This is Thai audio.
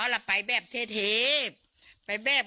จะการกดลงทสอนชื่อเส้น